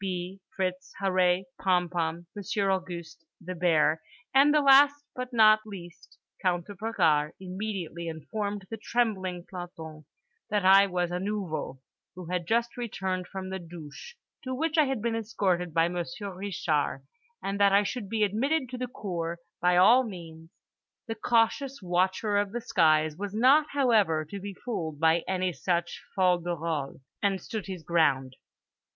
B., Fritz, Harree, Pompom, Monsieur Auguste, The Bear, and the last but not least Count de Bragard immediately informed the trembling planton that I was a Nouveau who had just returned from the douches to which I had been escorted by Monsieur Reeshar, and that I should be admitted to the cour by all means. The cautious watcher of the skies was not, however, to be fooled by any such fol de rol and stood his ground.